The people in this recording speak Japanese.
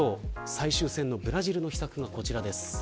最終戦のブラジルの秘策がこちらです。